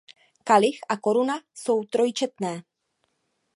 Kalich a koruna jsou trojčetné.